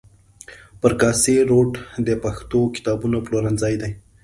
پر کاسي روډ د پښتو کتابونو پلورنځي دي.